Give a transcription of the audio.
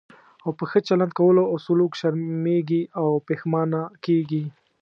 او په ښه چلند کولو او سلوک شرمېږي او پښېمانه کېږي.